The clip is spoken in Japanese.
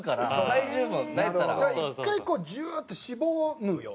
１回こうジューッてしぼむよ